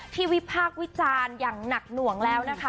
วิพากษ์วิจารณ์อย่างหนักหน่วงแล้วนะคะ